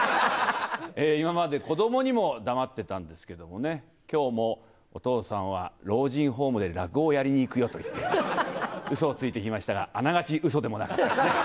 今まで子どもにも黙ってたんですけどもね、きょうもお父さんは老人ホームで落語をやりに行くよと言って、うそをついてきましたが、あながちうそでもなかったですね。